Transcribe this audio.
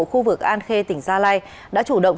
khu vực an khê tỉnh gia lai đã chủ động